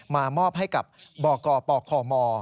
มามอบให้กับบกปคม